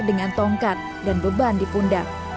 dengan tongkat dan beban di pundak